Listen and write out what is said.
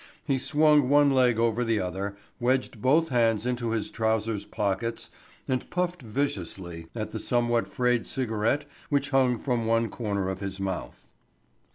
He swung one leg over the other, wedged both hands into his trousers pockets and puffed viciously at the somewhat frayed cigarette which hung from one corner of his mouth.